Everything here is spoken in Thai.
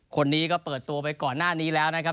คนนี้ก็เปิดตัวไปก่อนหน้านี้แล้วนะครับ